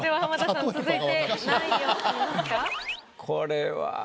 これは。